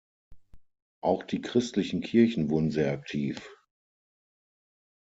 Auch die christlichen Kirchen wurden sehr aktiv.